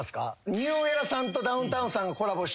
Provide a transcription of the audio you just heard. ＮＥＷＥＲＡさんとダウンタウンさんがコラボして。